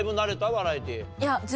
バラエティー。